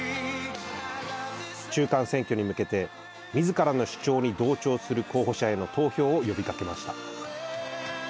中間選挙に向けてみずからの主張に同調する候補者への投票を呼びかけました。